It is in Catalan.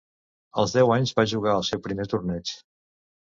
Els deu anys va jugar el seu primer torneig.